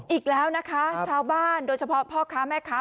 อีกแล้วนะคะชาวบ้านโดยเฉพาะพ่อค้าแม่ค้า